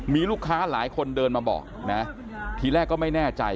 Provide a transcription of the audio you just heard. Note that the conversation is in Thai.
มีลูกค้าหลายคนเดินมาบอกนะทีแรกก็ไม่แน่ใจ